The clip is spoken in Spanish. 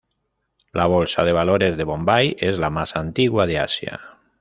La Bolsa de Valores de Bombay es la más antigua de Asia.